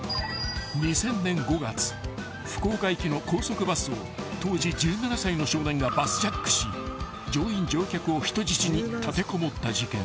［福岡行きの高速バスを当時１７歳の少年がバスジャックし乗員乗客を人質に立てこもった事件］